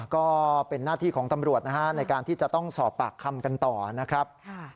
ก็เป็นหน้าที่ของตำรวจนะฮะในการที่จะต้องสอบปากคำกันต่อนะครับ